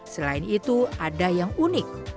selain itu ada yang unik